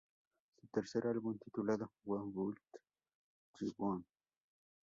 Su tercer álbum titulado "Who Built the Moon?